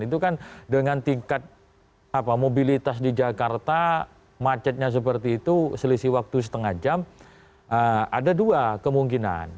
itu kan dengan tingkat mobilitas di jakarta macetnya seperti itu selisih waktu setengah jam ada dua kemungkinan